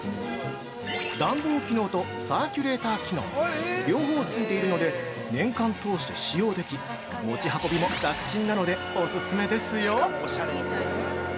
暖房機能とサーキュレーター機能両方付いているので、年間通して使用でき、持ち運びも楽チンなのでオススメですよ！